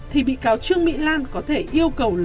thì bị cáo trương mỹ lan có thể yêu cầu lấy ra bất cứ lúc nào